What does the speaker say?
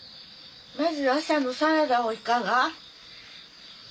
まず朝のサラダをいかが？